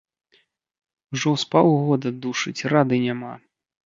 Ужо з паўгода душыць, рады няма.